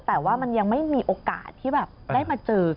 แต่ว่ามันยังไม่มีโอกาสที่แบบได้มาเจอ